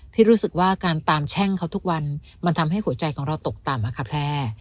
ที่รู้สึกว่าการตามแช่งเขาทุกวันมันทำให้หัวใจของเราตกต่ำอะค่ะแพร่